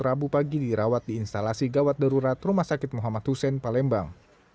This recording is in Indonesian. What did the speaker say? rabu pagi dirawat di instalasi gawat darurat rumah sakit muhammad hussein palembang